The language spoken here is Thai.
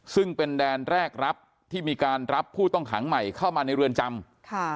ซึ่งเป็นแดนแรกรับที่มีการรับผู้ต้องขังใหม่เข้ามาในเรือนจำค่ะ